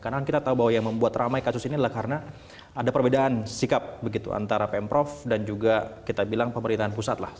karena kita tahu bahwa yang membuat ramai kasus ini adalah karena ada perbedaan sikap antara pm prof dan juga kita bilang pemerintahan pusat